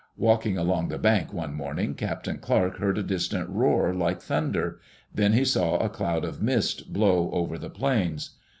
Walking along the bank one morning. Captain Clark heard a distant roar like thunder; then he saw a doud of mist blow over the plains.